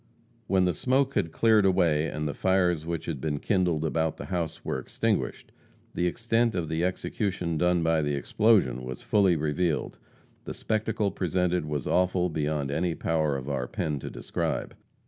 When the smoke had cleared away and the fires which had been kindled about the house were extinguished, the extent of the execution done by the explosion was fully revealed. The spectacle presented was awful beyond any power of our pen to describe.